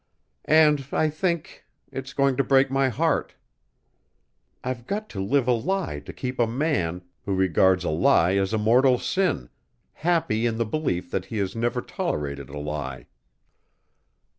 "And I think it's going to break my heart. I've got to live a lie to keep a man, who regards a lie as a mortal sin, happy in the belief that he has never tolerated a lie."